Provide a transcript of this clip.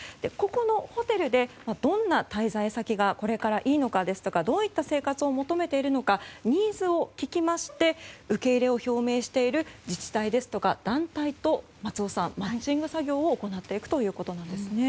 ここのホテルでどんな滞在先がこれからいいのかですとかどういった生活を求めているのかニーズを聞きまして受け入れを表明している自治体ですとか団体とマッチング作業を行っていくということなんです。